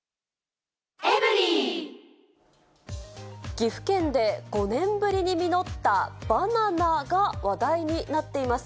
岐阜県で５年ぶりに実ったバナナが話題になっています。